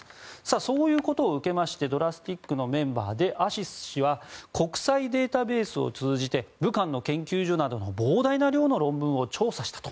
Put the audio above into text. そういうことを受けましてＤＲＡＳＴＩＣのメンバーでアシス氏は国際データーベースを通じて武漢の研究所などの膨大な量の論文を調査したと。